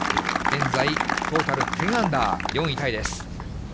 現在、トータル１０アンダー、４位タイです。